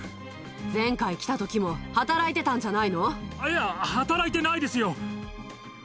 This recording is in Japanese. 前回、来たときも働いてたんいや、働いてないですよ。